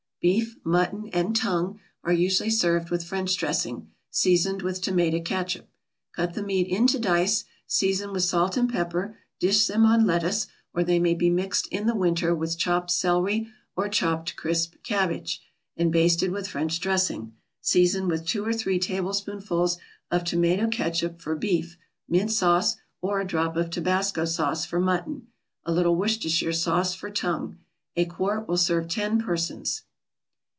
Beef, mutton and tongue are usually served with French dressing, seasoned with tomato catsup. Cut the meat into dice, season with salt and pepper, dish them on lettuce, or they may be mixed in the winter with chopped celery or chopped crisp cabbage, and basted with French dressing, seasoned with two or three tablespoonfuls of tomato catsup for beef, mint sauce, or a drop of Tabasco Sauce for mutton, a little Worcestershire Sauce for tongue. A quart will serve ten persons.